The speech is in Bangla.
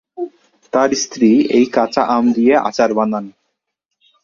তাঁর স্ত্রী এই কাঁচা আম দিয়ে আচার বানান।